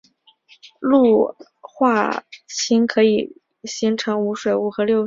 氯化铽可以形成无水物和六水合物。